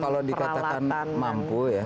kalau dikatakan mampu ya